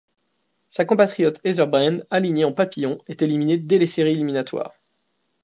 Sa compatriote Heather Brand, alignée en papillon, est éliminé dès les séries éliminatoires.